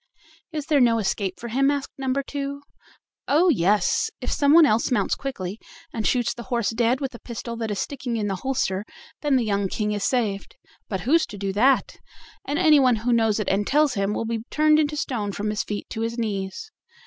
"Is there no escape for him?" asked number two. "Oh! yes, if someone else mounts quickly and shoots the horse dead with the pistol that is sticking in the holster, then the young King is saved. But who's to do that? And anyone who knows it and tells him will be turned into stone from his feet to his knees."